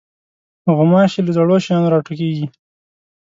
غوماشې له زړو شیانو راټوکېږي.